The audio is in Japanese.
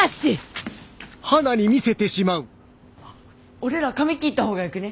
俺ら髪切った方がよくね？